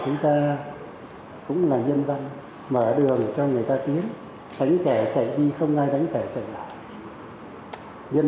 chúng ta cũng là nhân văn mở đường cho người ta tiến đánh kẻ chạy đi không ai đánh kẻ chạy lại